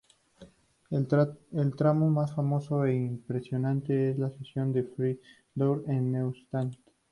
El tramo más famoso e impresionante es la sección de Friburgo a Neustadt.